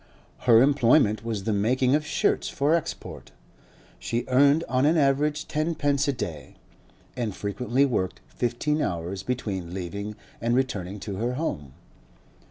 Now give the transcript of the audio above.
Her employment was the making of shirts for export; she earned on an average tenpence a day, and frequently worked fifteen hours between leaving and returning to her home.